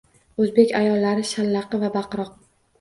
Oʻzbek ayollari shallaqi va baqiroq.